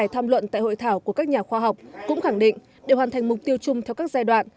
ba mươi bảy tham luận tại hội thảo của các nhà khoa học cũng khẳng định để hoàn thành mục tiêu chung theo các giai đoạn